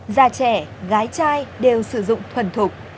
gia trẻ gái trai đều sử dụng thuần thục